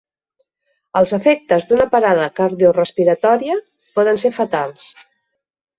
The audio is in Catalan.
Els efectes d'una parada cardiorespiratòria poden ser fatals.